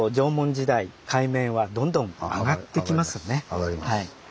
上がります。